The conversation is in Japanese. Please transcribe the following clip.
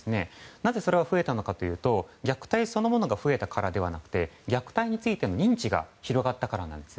なぜそれが増えたのかというと虐待そのものが増えたからではなくて虐待についての認知が広がったからなんです。